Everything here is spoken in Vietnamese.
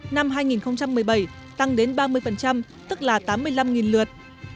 năm hai nghìn một mươi bảy tăng đến ba mươi tức là tám mươi năm lượt